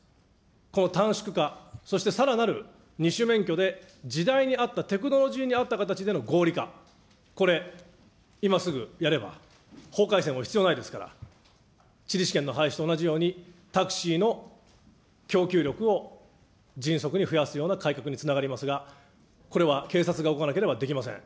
この短縮化、そしてさらなる２種免許で時代に合った、テクノロジーに合った形での合理化、これ、今すぐやれば法改正も必要ないですから、地理試験の廃止と同じように、タクシーの供給力を迅速に増やすような改革につながりますが、これは警察が動かなければできません。